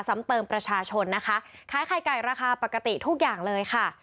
ซ้ำเติมประชาชนนะคะขายไข่ไก่ราคาปกติทุกอย่างเลยค่ะ